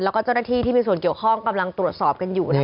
แล้วก็เจ้าหน้าที่ที่มีส่วนเกี่ยวข้องกำลังตรวจสอบกันอยู่นะคะ